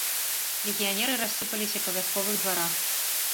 Легіянеры рассыпаліся па вясковых дварах.